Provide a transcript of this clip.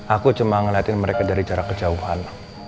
aku cuma ngeliatin mereka dari jarak kejauhan